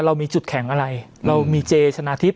เรามีจุดแข็งอะไรเรามีเจชนะทิพย